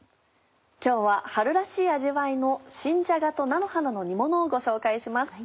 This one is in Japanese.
今日は春らしい味わいの新じゃがと菜の花の煮ものをご紹介します。